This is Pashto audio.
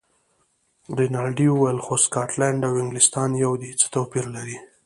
رینالډي وویل: خو سکاټلنډ او انګلیستان یو دي، څه توپیر لري.